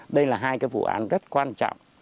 đây là hai vụ án rất quan trọng